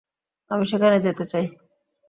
আমি সেখানে যেতে চাই।